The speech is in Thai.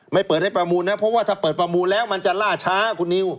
เปิดให้ประมูลนะเพราะว่าถ้าเปิดประมูลแล้วมันจะล่าช้าคุณนิว